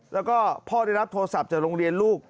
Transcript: แล้วก็พ่อได้รับโทรศัพท์จากโรงเรียนลูก